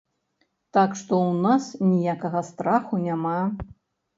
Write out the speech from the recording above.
Так што ў нас ніякага страху няма.